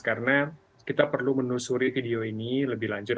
karena kita perlu menusuri video ini lebih lanjut